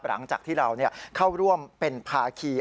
หลังจากที่เราเข้าร่วมเป็นภาคี